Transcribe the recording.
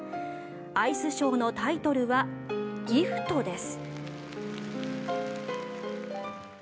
アイスショーのタイトルは「ＧＩＦＴ」です。